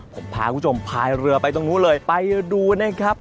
ผมพาคุณผู้ชมพายเรือไปตรงนู้นเลยไปดูนะครับ